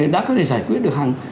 đã có thể giải quyết được hàng